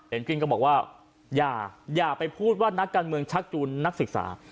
กวินก็บอกว่าอย่าไปพูดว่านักการเมืองชักจูนนักศึกษา